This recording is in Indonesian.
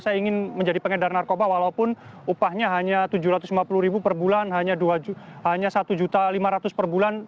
saya ingin menjadi pengedar narkoba walaupun upahnya hanya rp tujuh ratus lima puluh per bulan hanya rp satu lima ratus per bulan